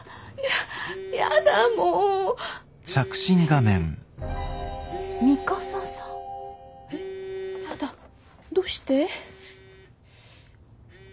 やだどうして？